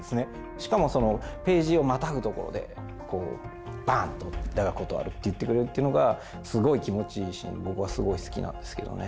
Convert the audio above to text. しかもそのページをまたぐところでバーンと「だが断る」って言ってくれるっていうのがすごい気持ちいいシーンで僕はすごい好きなんですけどね。